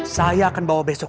saya akan bawa besok